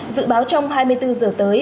dự báo trong hai mươi bốn giờ tới